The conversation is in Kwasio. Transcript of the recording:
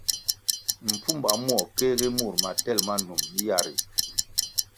Mpfuma muo kéhgi mur matel ma num yah ri.